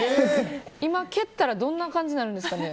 今蹴ったらどんな感じになるんですかね。